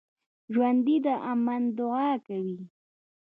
ژوندي د امن دعا کوي